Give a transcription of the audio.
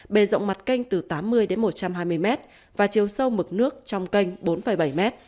bề rộng mặt canh từ tám mươi đến một trăm hai mươi m và chiều sâu mực nước trong kênh bốn bảy m